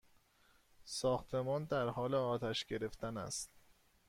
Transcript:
ساختمان در حال آتش گرفتن است!